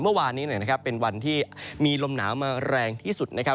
เมื่อวานนี้นะครับเป็นวันที่มีลมหนาวมาแรงที่สุดนะครับ